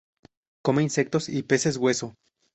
Come insectos y peces hueso.